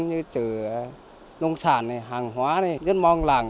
như trừ nông sản hàng hóa rất mong làng